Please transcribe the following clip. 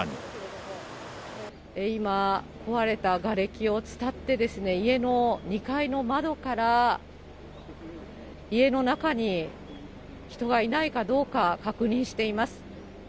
今、壊れたがれきを伝って、家の２階の窓から家の中に人がいないかどうか、確認しています。